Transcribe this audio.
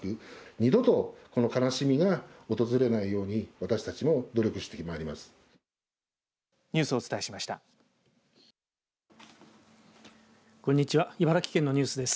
二度とこの悲しみが訪れないように私たちも努力してまいります。